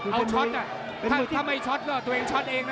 เอาช็อตถ้าไม่ช็อตก็ตัวเองช็อตเองนะ